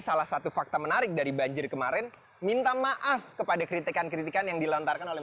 salah satu fakta menarik dari banjir kemarin minta maaf kepada kritikan kritikan yang dilontarkan oleh